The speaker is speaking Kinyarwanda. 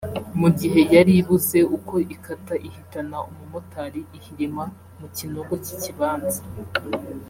mu gihe yari ibuze uko ikata ihitana umumotari ihirima mu kinogo cy’ikibanza